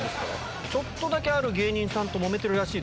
ちょっとだけある芸人さんと揉めてる。